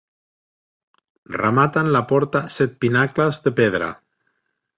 Rematen la porta set pinacles de pedra.